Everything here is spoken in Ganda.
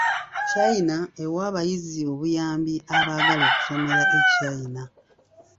China ewa abayizi obuyambi abaagala okusomera e China.